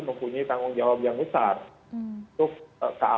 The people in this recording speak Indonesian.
mempunyai tanggung jawab yang besar untuk keamanan